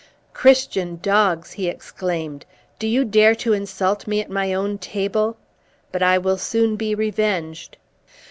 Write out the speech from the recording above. "Christian dogs!" he exclaimed, "do you dare to insult me at my own table? But I will soon be revenged."